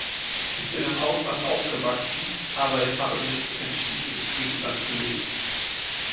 Ich bin im Ausland aufgewachsen, aber ich habe mich entschieden, in Griechenland zu leben.